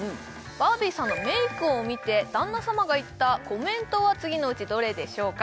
バービーさんのメイクを見て旦那様が言ったコメントは次のうちどれでしょうか？